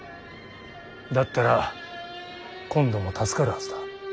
だったら今度も助かるはずだ。